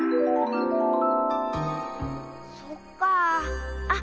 そっかあ。